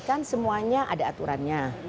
kan semuanya ada aturannya